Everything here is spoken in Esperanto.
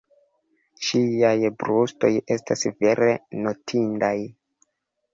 Ŝiaj brustoj estas vere notindaj.